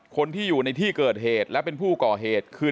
คนที่อยู่ในที่เกิดเหตุและเป็นผู้ก่อเหตุคือ